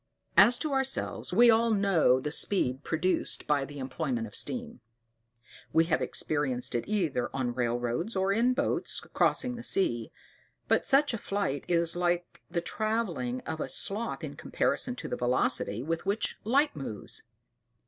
As to ourselves, we all know the speed produced by the employment of steam; we have experienced it either on railroads, or in boats when crossing the sea; but such a flight is like the travelling of a sloth in comparison with the velocity with which light moves.